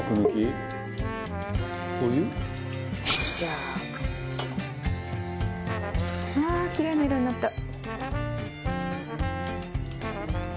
ああきれいな色になった。